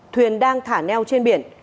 thuyền đang thả neo trên biển